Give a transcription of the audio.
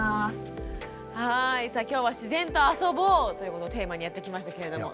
さあ今日は「自然とあそぼう」ということをテーマにやってきましたけれども。